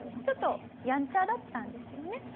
ちょっとヤンチャだったんですよね。